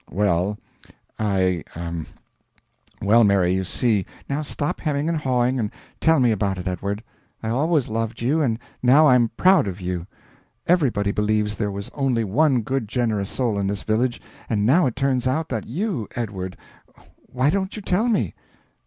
"Well, I er well, Mary, you see " "Now stop hemming and hawing, and tell me about it, Edward. I always loved you, and now I'm proud of you. Everybody believes there was only one good generous soul in this village, and now it turns out that you Edward, why don't you tell me?"